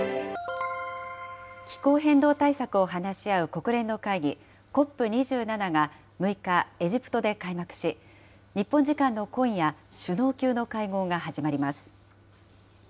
気候変動対策を話し合う国連の会議、ＣＯＰ２７が６日、エジプトで開幕し、日本時間の今夜、首脳級の会合が始まります。